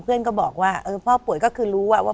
เพื่อนก็บอกว่าเออพ่อป่วยก็คือรู้ว่า